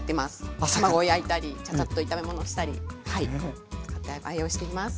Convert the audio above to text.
卵焼いたりちゃちゃっと炒め物したりはい愛用しています。